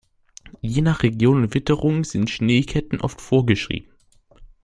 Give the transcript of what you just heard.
Je nach Region und Witterung sind Schneeketten oft vorgeschrieben.